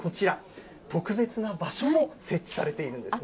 さらにこちら、特別な場所も設置されているんですね。